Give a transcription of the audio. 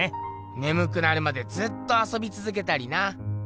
ねむくなるまでずっとあそびつづけたりな。